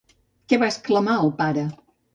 Què va exclamar el pare?